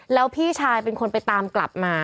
แล้วพี่ชายเป็นคนไปตามกลับมา